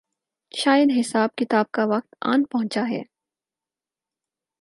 شاید حساب کتاب کا وقت آن پہنچا ہے۔